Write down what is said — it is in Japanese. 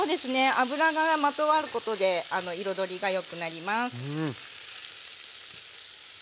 油がまとわることで彩りがよくなります。